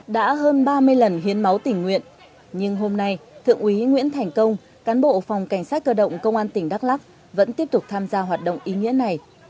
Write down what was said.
đã hơn ba mươi lần hiến máu tỉnh nguyện nhưng hôm nay thượng úy nguyễn thành công cán bộ phòng cảnh sát cơ động công an tỉnh đắk lắc vẫn tiếp tục tham gia hoạt động ý nghĩa này